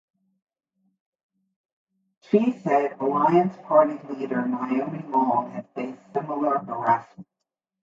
She said Alliance party leader Naomi Long had faced similar harassment.